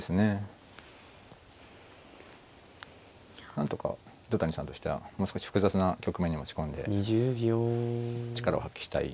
なんとか糸谷さんとしてはもう少し複雑な局面に持ち込んで力を発揮したい。